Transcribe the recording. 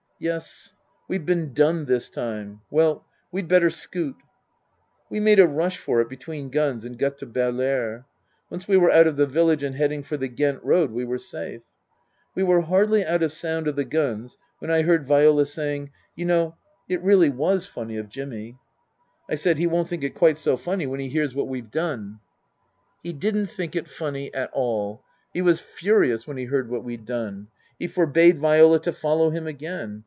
" Yes. We've been done this time. Well we'd better scoot." We made a rush for it between guns and got to Baerlere. Once we were out of the village and heading for the Ghent road we were safe. We were hardly out of sound of the guns when I heard Viola saying, " You know it really was funny of Jimmy." I said, " He won't think it quite so funny when he hears what we've done." He didn't think it funny at all. He was furious when he heard what we'd done. He forbade Viola to follow him again.